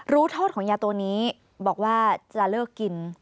รู้โทษของยาตัวนี้บอกว่าจะเลิกกิน